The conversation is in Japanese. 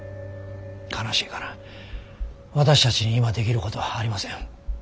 悲しいかな私たちに今できることはありません。